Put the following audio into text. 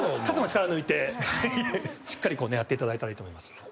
肩の力抜いてしっかり狙っていただいたらいいと思います。